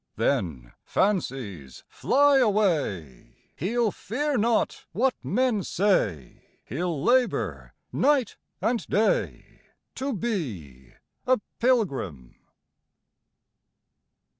Then, fancies fly away, He'll fear not what men say; He'll labor night and day To be a pilgrim."